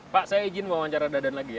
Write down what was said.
pak saya izin wawancara dadan lagi ya